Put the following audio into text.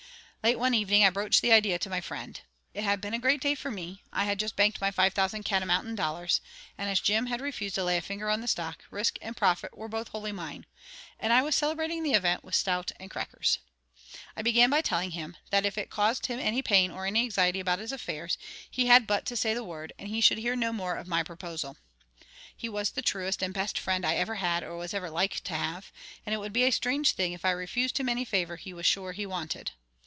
Late one evening I broached the idea to my friend. It had been a great day for me; I had just banked my five thousand catamountain dollars; and as Jim had refused to lay a finger on the stock, risk and profit were both wholly mine, and I was celebrating the event with stout and crackers. I began by telling him that if it caused him any pain or any anxiety about his affairs, he had but to say the word, and he should hear no more of my proposal. He was the truest and best friend I ever had or was ever like to have; and it would be a strange thing if I refused him any favour he was sure he wanted.